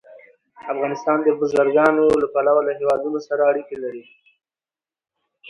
افغانستان د بزګانو له پلوه له هېوادونو سره اړیکې لري.